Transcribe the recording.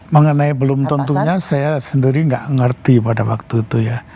mengenai belum tentunya saya sendiri nggak ngerti pada waktu itu ya